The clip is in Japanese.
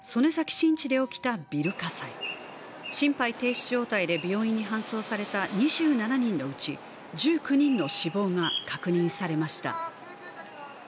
心肺停止状態で病院に搬送された２７人のうち１９人の死亡が確認されました。